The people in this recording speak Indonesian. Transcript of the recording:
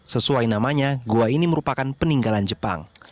sesuai namanya gua ini merupakan peninggalan jepang